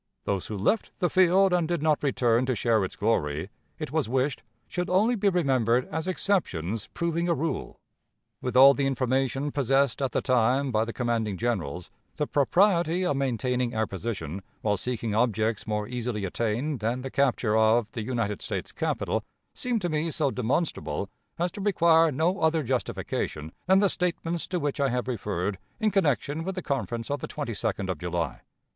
Those who left the field and did not return to share its glory, it was wished, should only be remembered as exceptions proving a rule. With all the information possessed at the time by the commanding generals, the propriety of maintaining our position, while seeking objects more easily attained than the capture of the United States capital, seemed to me so demonstrable as to require no other justification than the statements to which I have referred in connection with the conference of the 22d of July.